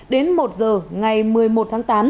đến một h ngày một mươi một tháng tám